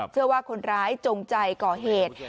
เชื่อว่าคนร้ายจงใจก่อเหตุ